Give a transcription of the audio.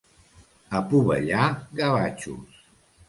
A Pobellà, gavatxos.